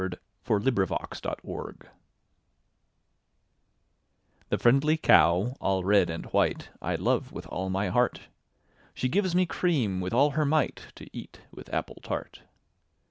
XXIII The Cow The friendly cow all red and white, I love with all my heart: She gives me cream with all her might, To eat with apple tart.